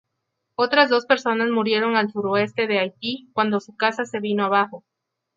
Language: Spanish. Otras dos personas murieron al suroeste de Haití cuando su casa se vino abajo.